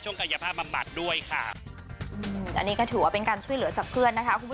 ช่วงกายภาคบำบัดด้วยถือว่าเป็นการช่วยเหลือจากเพื่อน